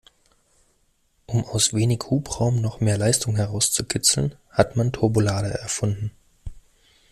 Um aus wenig Hubraum noch mehr Leistung herauszukitzeln, hat man Turbolader erfunden.